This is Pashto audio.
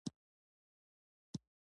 نجلۍ د هوښیارتیا نښه ده.